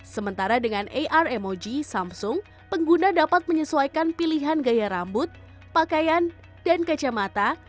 sementara dengan ar emoji samsung pengguna dapat menyesuaikan pilihan gaya rambut pakaian dan kacamata